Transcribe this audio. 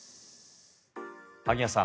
萩谷さん